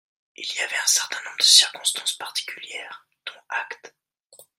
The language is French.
Il y avait un certain nombre de circonstances particulières, dont acte.